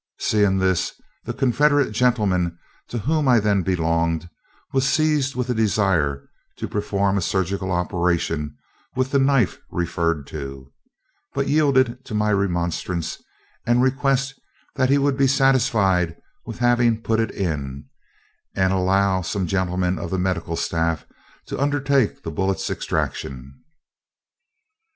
Seeing this, the Confederate gentleman to whom I then belonged was seized with a desire to perform a surgical operation with the knife referred to, but yielded to my remonstrance and request that he would be satisfied with having put it in, and allow some gentleman of the medical staff to undertake the bullet's extraction.